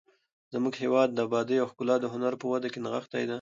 زموږ د هېواد ابادي او ښکلا د هنر په وده کې نغښتې ده.